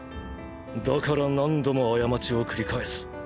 だから何度も過ちを繰り返す。